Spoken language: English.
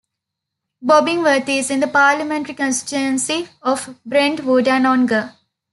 Bobbingworth is in the parliamentary constituency of Brentwood and Ongar.